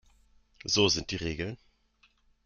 So sind die Regeln.